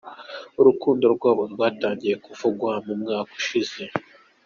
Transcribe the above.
Urukundo rwabo rwatangiye kuvugwa mu mwaka ushize.